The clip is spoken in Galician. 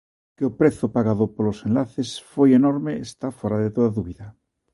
Que o prezo pagado polos enlaces foi enorme está fóra de toda dúbida.